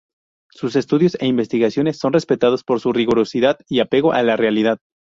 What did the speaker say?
Sus estudios e investigaciones son respetados por su rigurosidad y apego a la realidad.